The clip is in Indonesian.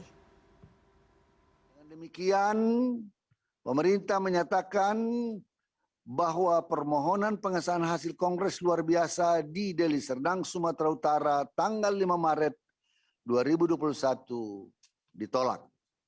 dengan demikian pemerintah menyatakan bahwa permohonan pengesahan hasil kongres luar biasa di deli serdang sumatera utara tanggal lima maret dua ribu dua puluh satu ditolak